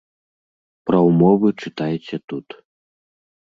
Пра ўмовы чытайце тут.